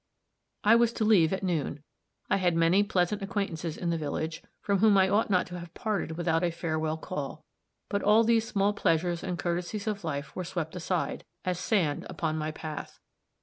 I was to leave at noon; I had many pleasant acquaintances in the village, from whom I ought not to have parted without a farewell call; but all these small pleasures and courtesies of life were swept aside, as sand upon my path.